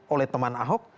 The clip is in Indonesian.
oleh teman ahok